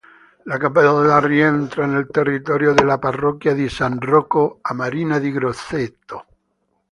La cappella rientra nel territorio della parrocchia di San Rocco a Marina di Grosseto.